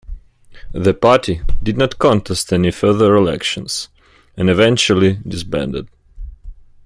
The Party did not contest any further elections, and eventually disbanded.